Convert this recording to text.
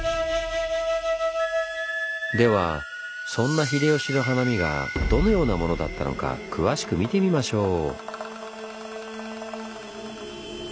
ではそんな秀吉の花見がどのようなものだったのか詳しく見てみましょう！